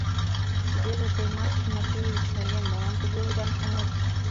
— Тугеже тый Марк Тимофеевич нерген молан тыге удан шонет?